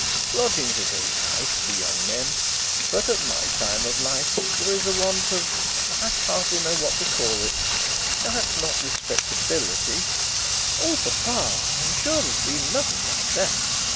Lodgings are very nice for young men, but at my time of life there is a want of I hardly know what to call it, perhaps not respectability ' 'Oh, papa! I'm sure there's been nothing like that.